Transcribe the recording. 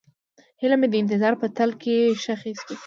هیلې مې د انتظار په تل کې ښخې شوې.